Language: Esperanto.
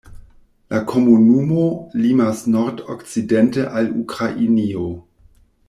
La komunumo limas nord-okcidente al Ukrainio.